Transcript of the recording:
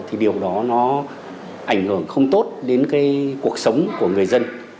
thì điều đó nó ảnh hưởng không tốt đến cái cuộc sống của người dân